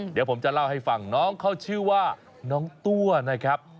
เดี๋ยวผมจะเล่าให้ฟังน้องเขาชื่อว่าน้องตัวนะครับ